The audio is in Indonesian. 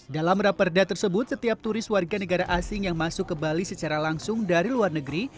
dalam raperda tersebut setiap turis warga negara asing yang masuk ke bali secara langsung dari luar negeri